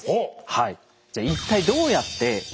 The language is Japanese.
はい。